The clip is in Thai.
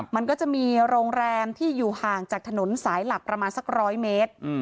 มันก็จะมีโรงแรมที่อยู่ห่างจากถนนสายหลักประมาณสัก๑๐๐เมตร